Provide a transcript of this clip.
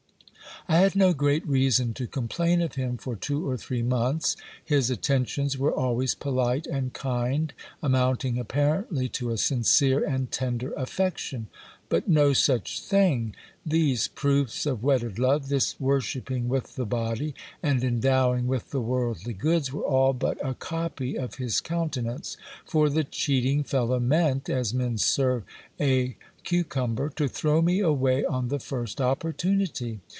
I had no great reason to complain of him for two or three months. His at tentions were always polite and kind, amounting apparently to a sincere and tender affection. But no such thing ! These proofs of wedded love, this wor shipping with the body, and endowing with the worldly goods, were all but a copy of his countenance ; for the cheating fellow meant, as men serve a cucum ber, to throw me away on the first opportunity.